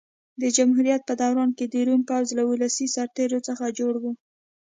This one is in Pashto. د جمهوریت په دوران کې د روم پوځ له ولسي سرتېرو څخه جوړ و.